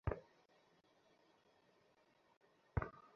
বোধায়নের ভাষ্য আমার কখনও দেখিবার সুযোগ হয় নাই।